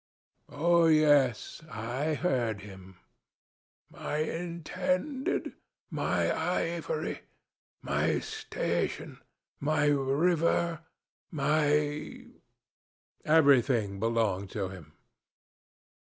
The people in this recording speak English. Oh yes, I heard him. 'My Intended, my ivory, my station, my river, my ' everything belonged to him.